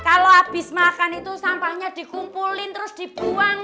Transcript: kalau habis makan itu sampahnya dikumpulin terus dibuang